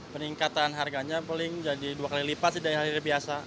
peningkatan harganya paling jadi dua kali lipat dari hari hari biasa